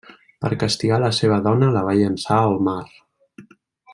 Per castigar a la seva dona la va llençar al mar.